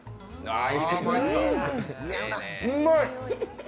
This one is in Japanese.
うまい！